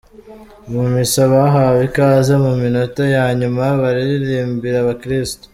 Mu Misa bahawe ikaze mu minota ya nyuma baririmbira abakristu.